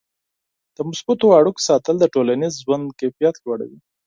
د مثبتو اړیکو ساتل د ټولنیز ژوند کیفیت لوړوي.